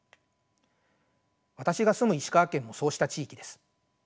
私が住む石川県もそうした地域です。